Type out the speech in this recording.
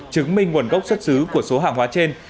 chứng minh nguồn gốc xuất xứ của số hàng hóa trên